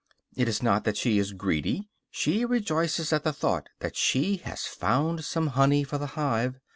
It is not that she is greedy; she rejoices at the thought that she has found some honey for the hive.